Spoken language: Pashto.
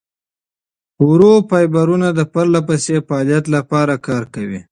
ورو فایبرونه د پرلهپسې فعالیت لپاره کار کوي.